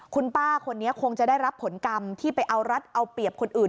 คุณป้าคนนี้คงจะได้รับผลกรรมที่ไปเอารัฐเอาเปรียบคนอื่น